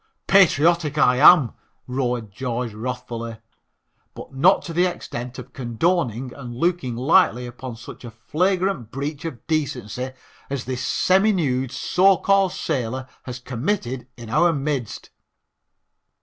"Patriotic, I am," roared George wrathfully, "but not to the extent of condoning and looking lightly upon such a flagrant breach of decency as this semi nude, so called sailor has committed in our midst."